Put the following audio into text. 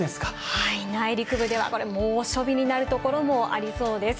はい、内陸部では猛暑日になるところもありそうです。